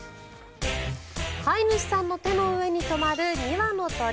飼い主さんの手の上に止まる２羽の鳥。